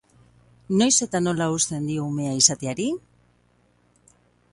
Noiz eta nola uzten dio umea izateari?